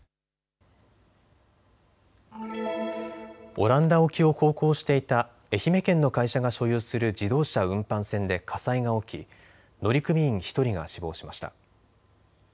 オランダ沖を航行していた愛媛県の会社が所有する自動車運搬船で火災が起き乗組員１人が死亡しました。